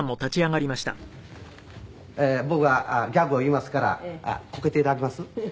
僕がギャグを言いますからこけて頂けます？